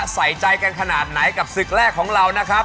ใส่ใจกันขนาดไหนกับศึกแรกของเรานะครับ